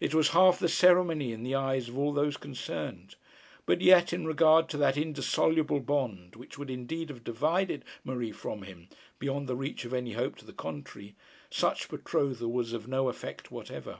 It was half the ceremony in the eyes of all those concerned; but yet, in regard to that indissoluble bond which would indeed have divided Marie from him beyond the reach of any hope to the contrary, such betrothal was of no effect whatever.